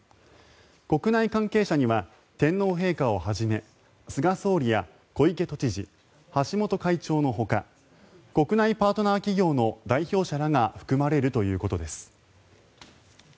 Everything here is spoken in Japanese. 国内関係者には天皇陛下をはじめ菅総理や小池都知事橋本会長のほか国内パートナー企業の代表者らが含まれるということです。